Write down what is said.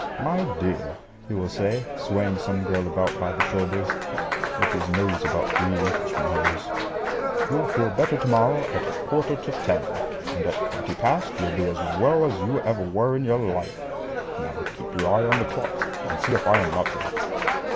"My dear," he will say, swaying some girl about by the shoulders, with his nose about three inches from hers, "you'll feel better to morrow at a quarter to ten, and at twenty past you'll be as well as ever you were in your life. Now, keep your eye on the clock, and see if I am not right."